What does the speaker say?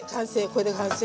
これで完成。